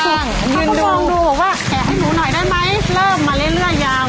เขาก็มองดูบอกว่าแกะให้หนูหน่อยได้ไหมเริ่มมาเรื่อยยาว